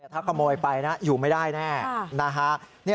ถ้าขโมยไปอยู่ไม่ได้แน่